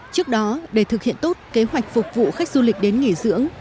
trước đó để thực hiện tốt kế hoạch phục vụ khách du lịch đến nghỉ dưỡng